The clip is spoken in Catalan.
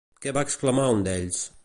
Què va exclamar un d'ells?